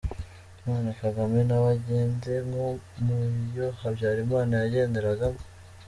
none Kagame nawe agende nko muyo Habyarimana yagenderagamo?